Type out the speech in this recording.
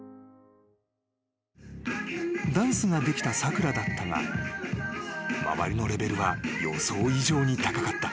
［ダンスができたさくらだったが周りのレベルは予想以上に高かった］